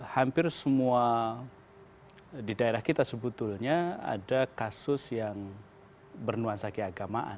hampir semua di daerah kita sebetulnya ada kasus yang bernuan sakyat agamaan